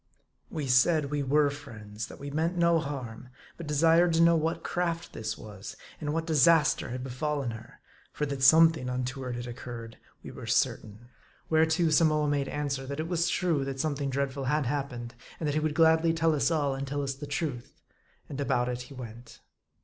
We said we were friends ; that we meant no harm ; but desired to know what craft this was ; and what disaster had befallen her ; for that something untoward had occurred, we were certain. Whereto, Samoa made answer, that it was true that something dreadful had happened ; and that he would gladly tell us all, and tell us the truth. And about it he went.